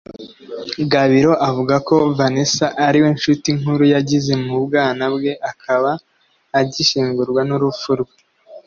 Gabiro avuga ko Vanessa ariwe nshuti nkuru yagize mu bwana bwe akaba agishengurwa n’urupfu rwe